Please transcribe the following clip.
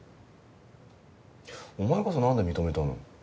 お前こそ何で認めたの？